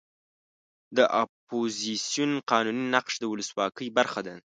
د اپوزیسیون قانوني نقش د ولسواکۍ برخه ده.